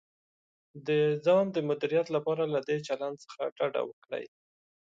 د ځان د مدیریت لپاره له دې چلند څخه ډډه وکړئ: